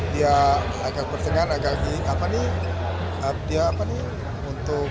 dia agak bertengan agak gini apa nih